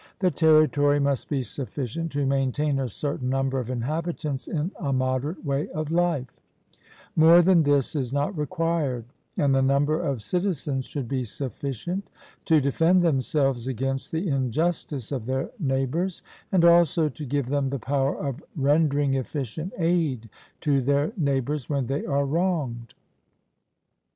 The territory must be sufficient to maintain a certain number of inhabitants in a moderate way of life more than this is not required; and the number of citizens should be sufficient to defend themselves against the injustice of their neighbours, and also to give them the power of rendering efficient aid to their neighbours when they are wronged.